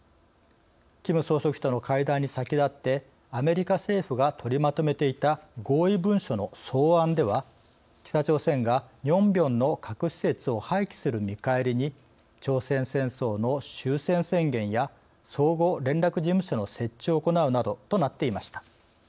キム総書記との会談に先立ってアメリカ政府が取りまとめていた合意文書の草案では北朝鮮がニョンビョンの核施設を廃棄する見返りに朝鮮戦争の終戦宣言や相互連絡事務所の設置を行うなどとなっていました。